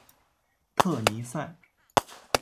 特尼塞。